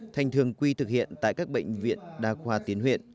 thành thường quy thực hiện tại các bệnh viện đa khoa tuyến huyện